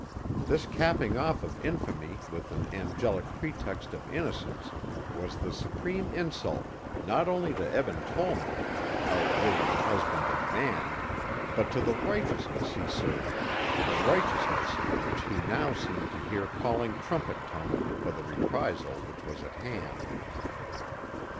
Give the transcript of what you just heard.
This capping off of infamy with an angelic pretext of innocence was the supreme insult not only to Eben Tollman, outraged husband and man, but to the Righteousness he served, the Righteousness which he now seemed to hear calling trumpet tongued for the reprisal which was at hand.